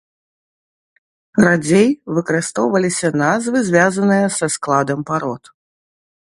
Радзей выкарыстоўваліся назвы, звязаныя са складам парод.